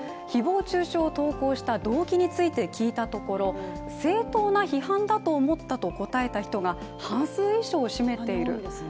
誹謗中傷を投稿した動機について聞いたところ正当な批判だと思ったと答えた人が半数以上を占めている。